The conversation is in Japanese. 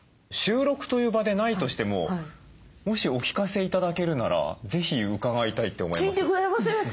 収録という場でないとしてももしお聞かせ頂けるなら是非伺いたいって思いました。